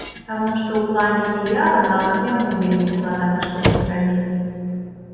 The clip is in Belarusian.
Таму што ў плане піяру нават яму вельмі складана штосьці рабіць.